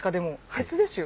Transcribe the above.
鉄ですよ。